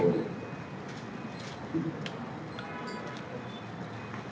kemudian kasus kasus lainnya